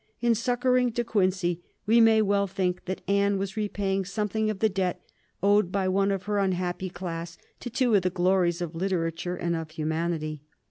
In succoring De Quincey we may well think that Anne was repaying something of the debt owed by one of her unhappy class to two of the glories of literature and of humanity.